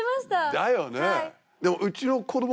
だよね？